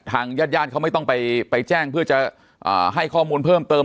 ญาติญาติเขาไม่ต้องไปแจ้งเพื่อจะให้ข้อมูลเพิ่มเติม